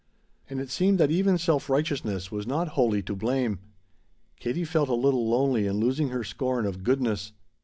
And it seemed that even self righteousness was not wholly to blame. Katie felt a little lonely in losing her scorn of "goodness."